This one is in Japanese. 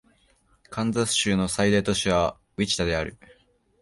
カンザス州の最大都市はウィチタである